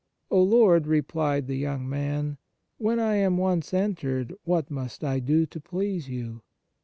" O Lord," replied the young man, "when I am once entered, what must I do to please You?"